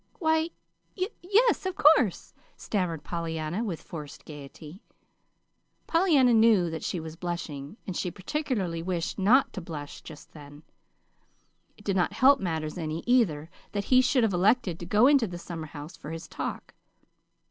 "Why, y yes, of course," stammered Pollyanna, with forced gayety. Pollyanna knew that she was blushing, and she particularly wished not to blush just then. It did not help matters any, either, that he should have elected to go into the summerhouse for his talk.